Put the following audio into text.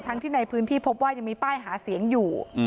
ที่ในพื้นที่พบว่ายังมีป้ายหาเสียงอยู่